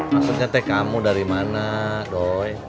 maksudnya teh kamu dari mana doi